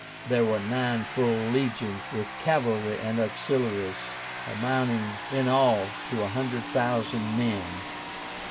There were nine full legions, with cavalry and auxiliaries, amounting in all to 100,000 men.